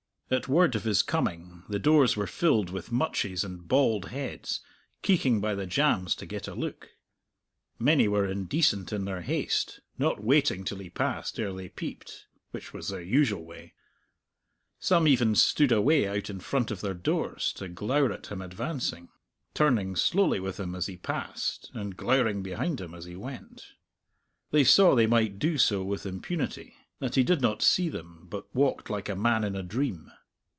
At word of his coming the doors were filled with mutches and bald heads, keeking by the jambs to get a look. Many were indecent in their haste, not waiting till he passed ere they peeped which was their usual way. Some even stood away out in front of their doors to glower at him advancing, turning slowly with him as he passed, and glowering behind him as he went. They saw they might do so with impunity; that he did not see them, but walked like a man in a dream.